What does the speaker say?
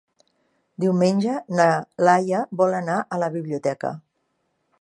Diumenge na Laia vol anar a la biblioteca.